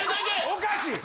おかしい。